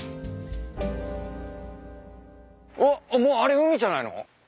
もうあれ海じゃないの？